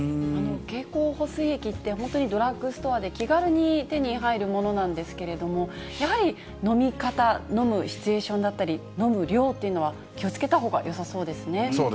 経口補水液って、本当にドラッグストアで気軽に手に入るものなんですけれども、やはり飲み方、飲むシチュエーションだったり飲む量というのは気をつけたほうがそうですね。